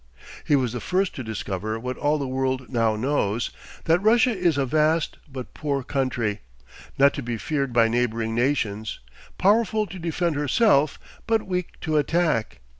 He was the first to discover what all the world now knows, that Russia is a vast but poor country, not to be feared by neighboring nations, powerful to defend herself, but weak to attack.